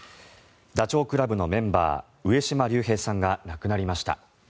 ダチョウ倶楽部のメンバー上島竜兵さんが亡くなりました。